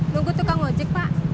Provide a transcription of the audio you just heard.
tunggu tukang ojek pak